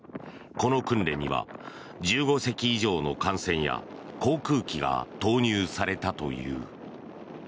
この訓練には１５隻以上の艦船や航空機が投入されたという。